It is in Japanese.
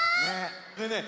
ねえねえ